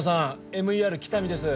ＭＥＲ喜多見です